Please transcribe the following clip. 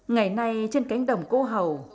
ngày nay trên cánh đồng cô hầu